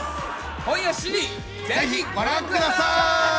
今夜ぜひご覧ください。